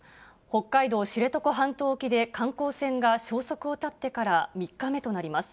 北海道知床半島沖で、観光船が消息を絶ってから３日目となります。